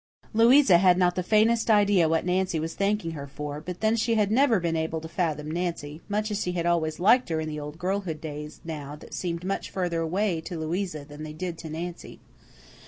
Louisa had not the faintest idea what Nancy was thanking her for, but then she had never been able to fathom Nancy, much as she had always liked her in the old girlhood days that now seemed much further away to Louisa than they did to Nancy.